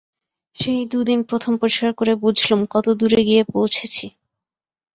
সেই দু দিন প্রথম পরিষ্কার করে বুঝলুম কত দূরে গিয়ে পৌঁচেছি।